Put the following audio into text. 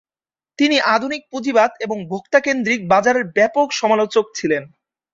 তিনি আধুনিক পুঁজিবাদ এবং ভোক্তা কেন্দ্রিক বাজারের ব্যাপক সমালোচক ছিলেন।